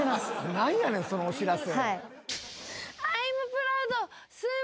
何やねんそのお知らせ。